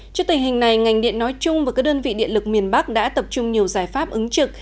trước tình hình này ngành điện nói chung và các đơn vị điện lực miền bắc đã tập trung nhiều giải pháp ứng trực